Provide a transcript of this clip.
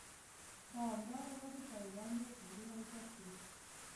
دوامداره ودې پر وړاندې خنډونه ایجاد کړي.